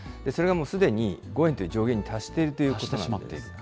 それがもうすでに、５円という上限に達していると。